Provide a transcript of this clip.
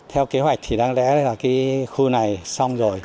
theo kế hoạch thì đáng lẽ là cái khu này xong rồi